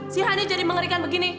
si hany jadi mengerikan begini